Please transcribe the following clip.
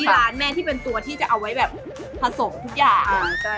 ขนาดที่เป็นตัวที่จะเอาให้แบบผสมทุกอย่าง